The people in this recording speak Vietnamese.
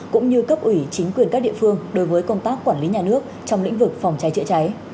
cũng như cấp ủy chính quyền các địa phương đối với công tác quản lý nhà nước trong lĩnh vực phòng cháy chữa cháy